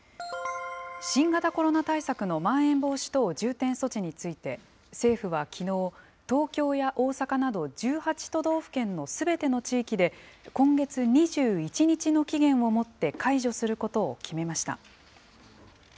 新型コロナ対策のまん延防止等重点措置について、政府はきのう、東京や大阪など１８都道府県のすべての地域で今月２１日の期限をもって解除することを決めました。